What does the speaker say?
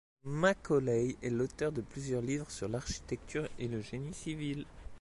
Macaulay est l'auteur de plusieurs livres sur l'architecture et le génie civil.